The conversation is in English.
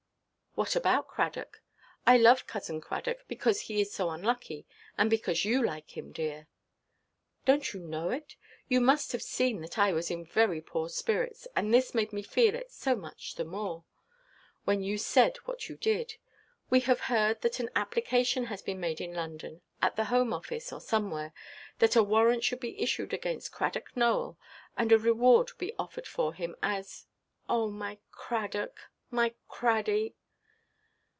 "What about Cradock? I love Cousin Cradock, because he is so unlucky; and because you like him, dear." "Donʼt you know it? You must have seen that I was in very poor spirits. And this made me feel it so much the more, when you said what you did. We have heard that an application has been made in London, at the Home Office, or somewhere, that a warrant should be issued against Cradock Nowell, and a reward be offered for him as——Oh, my Cradock, my Craddy!"